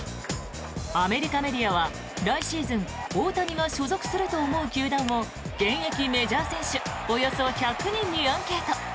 アメリカメディアは来シーズン大谷が所属すると思う球団を現役メジャー選手およそ１００人にアンケート。